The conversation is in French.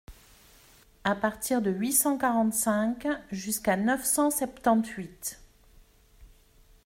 À partir de huit cent quarante-cinq jusqu’à neuf cent septante-huit.